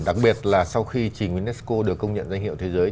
đặc biệt là sau khi trình unesco được công nhận danh hiệu thế giới